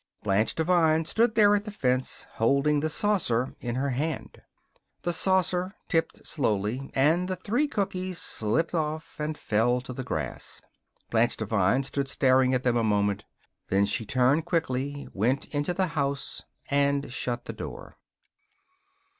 Blanche Devine stood there at the fence, holding the saucer in her hand. The saucer tipped slowly, and the three cookies slipped off and fell to the grass. Blanche Devine stood staring at them a moment. Then she turned quickly, went into the house, and shut the door.